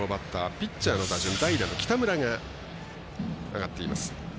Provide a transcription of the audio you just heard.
ピッチャーの打順、代打の北村が上がっています。